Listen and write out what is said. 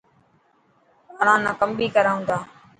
ٻاران نا ڪم بهي ڪرائون ٿا.